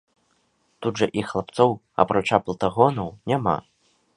Тут жа і хлапцоў, апрача плытагонаў, няма.